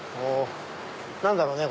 何だろうね？